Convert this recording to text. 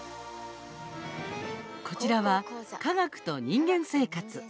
こちらは、科学と人間生活。